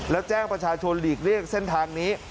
แล้วแจ้งประชาชนหลีกเลี่ยงเส้นทางนี้